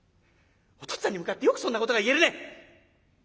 お父っつぁんに向かってよくそんなことが言えるね！